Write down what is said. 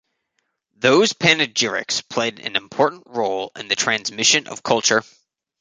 Those panegyrics played an important role in the transmission of culture.